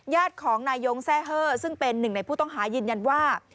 ญาติของนายยงแซ่เฮอร์ซึ่งเป็นหนึ่งในผู้ต้องหายืนยันว่า